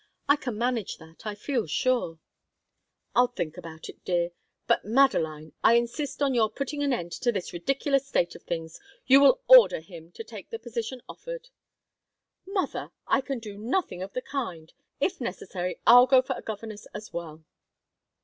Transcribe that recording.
I can manage that, I feel sure." "I'll think about it, dear. But, Madeline, I insist on your putting an end to this ridiculous state of things. You will order him to take the position offered." "Mother, I can do nothing of the kind. If necessary, I'll go for a governess as well."